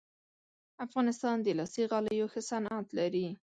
افغانستان د لاسي غالیو ښه صنعت لري